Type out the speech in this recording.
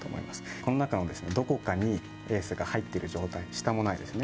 この中のどこかにエースが入っている状態、下もないですよね？